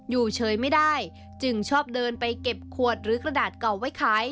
อยู่เฉยไม่ได้จึงชอบเดินไปเก็บขวดหรือกระดาษเก่าไว้ขาย